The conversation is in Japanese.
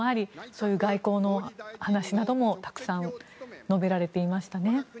そういう外交の話などもたくさん述べられていましたね。